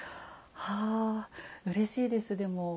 ああうれしいですでも。